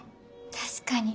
確かに。